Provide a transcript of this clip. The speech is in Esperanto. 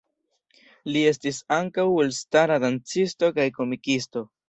Li estis ankaŭ elstara dancisto kaj komikisto.